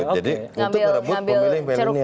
jadi untuk merebut pemilih